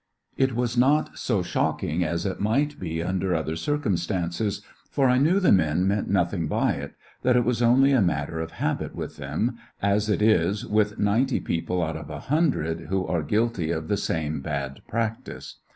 It was not so shocking as it might be under other circumstances, for I knew the men meant nothing by it— that it was only a mat ter of habit with them, as it is with ninety people out of a hundred who are guilty of the same bad practice.